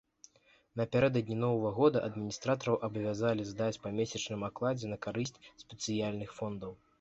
Напярэдадні новага года адміністратараў абавязвалі здаць па месячным акладзе на карысць спецыяльных фондаў.